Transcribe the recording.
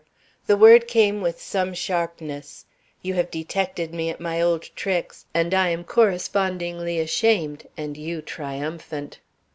The word came with some sharpness. "You have detected me at my old tricks, and I am correspondingly ashamed, and you triumphant.